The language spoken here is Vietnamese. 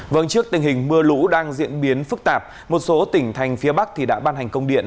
vâng trước tình hình mưa lũ đang diễn biến phức tạp một số tỉnh thành phía bắc thì đã ban hành công điện